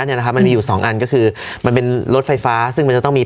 เนี่ยนะครับมันมีอยู่สองอันก็คือมันเป็นรถไฟฟ้าซึ่งมันจะต้องมี